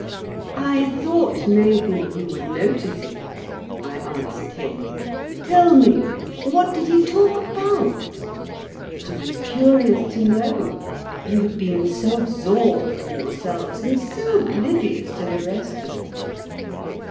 'I thought maybe you would notice it,' I answered him. 'Tell me, what did he talk about?' I was curious to know; you had been so absorbed in yourselves and so oblivious to the rest of us.